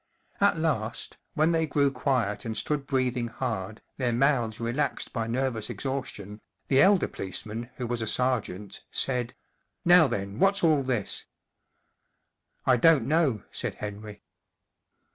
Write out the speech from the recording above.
At last, when they grew quiet and stood breathing hard, their mouths relaxed by nervous exhaustion, the elder policeman, who was a sergeant, said : 44 Now then, what's all this ?" 44 I don't know," said Henry.